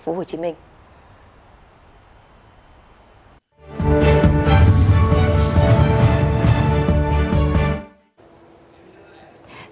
thưa quý vị và các bạn